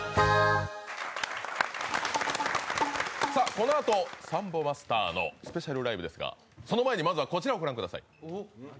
このあとサンボマスターのスペシャルライブですが、その前にまずはこちらをご覧ください。